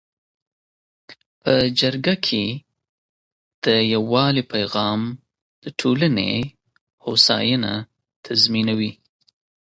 په جرګه کي د یووالي پیغام د ټولنې هوساینه تضمینوي.